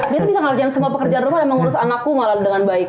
dia tuh bisa ngerjain semua pekerjaan rumah dan mengurus anakku malah dengan baik